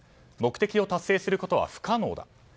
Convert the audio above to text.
目的を達成することは不可能だ。